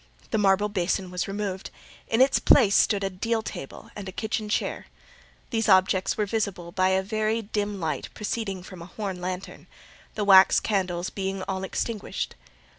The marble basin was removed; in its place, stood a deal table and a kitchen chair: these objects were visible by a very dim light proceeding from a horn lantern, the wax candles being all extinguished.